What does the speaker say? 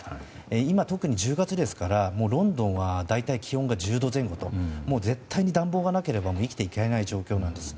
今、特に１０月ですからロンドンは大体、気温が１０度前後と絶対に暖房がなければ生きていけない状況です。